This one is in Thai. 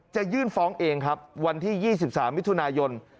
จะยื่นฟ้องเองครับวันที่๒๓มิถุนายน